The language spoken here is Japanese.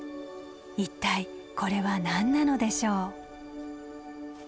一体これは何なのでしょう？